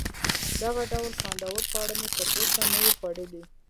دغه ډول خوندور خواړه مې تر اوسه نه وه خوړلي.